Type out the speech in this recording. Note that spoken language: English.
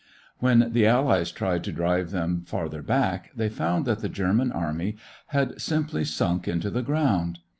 When the Allies tried to drive them farther back, they found that the German army had simply sunk into the ground.